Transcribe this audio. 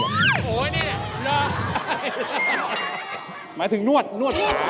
หมายถึงนวดนวดขา